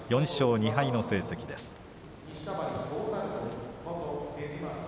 ４勝２敗の成績です。